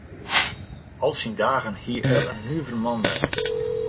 Al syn dagen hie er in nuver man west.